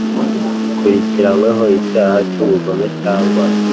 Ukurikiranyweho icyaha cy ubugome cyangwa